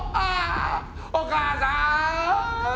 お母さーん！